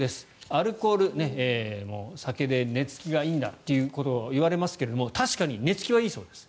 アルコール、酒で寝付きがいいんだということが言われますが確かに寝付きはいいそうです。